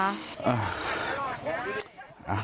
อ่า